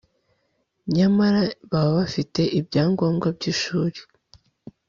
nyamara baba bafite ibyangombwa by’ishuri